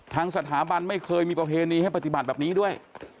ทางสถาบันไม่เคยมีประเพณีให้ปฏิบัติแบบนี้ด้วย